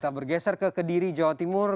kita bergeser ke kediri jawa timur